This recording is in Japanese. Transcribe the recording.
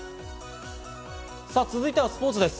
続いてはスポーツです。